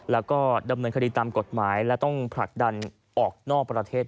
แล้วก็ดำเนินคดีตามกฎหมายและต้องผลักดันออกนอกประเทศ